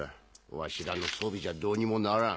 わしらの装備じゃどうにもならん。